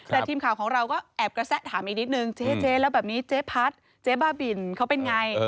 แต่ทีมข่าวของเราก็แอบกระแสะถามอีกนิดนึงเจ๊แล้วแบบนี้เจ๊พัดเจ๊บ้าบินเขาเป็นไง